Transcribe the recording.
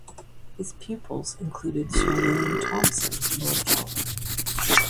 His pupils included Sir William Thomson (Lord Kelvin).